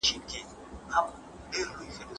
زه به ستا لپاره د کابل د کوڅو یو نښان ډالۍ کړم.